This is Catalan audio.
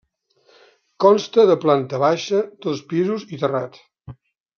Consta de planta baixa, dos pisos i terrat.